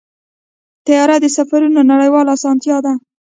طیاره د سفرونو نړیواله اسانتیا ده.